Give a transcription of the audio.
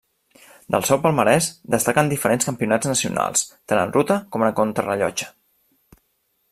Del seu palmarès destaquen diferents campionats nacionals, tant en ruta com en contrarellotge.